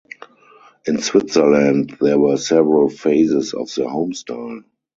In Switzerland there were several phases of the home style.